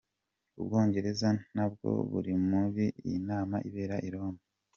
Ubwongereza ntabwo buri muri iyo nama ibera i Roma.